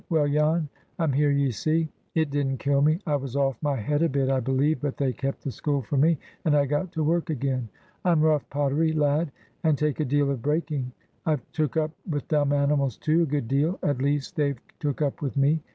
Well, Jan, I'm here, ye see. It didn't kill me. I was off my head a bit, I believe, but they kept the school for me, and I got to work again. I'm rough pottery, lad, and take a deal of breaking. I've took up with dumb animals, too, a good deal. At least, they've took up with me.